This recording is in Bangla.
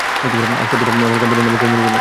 আজকের পরে আমার কোম্পানির কেউ মরবে না।